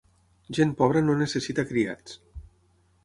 Gent pobra no necessita criats.